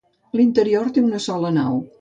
L'interior té una sola nau.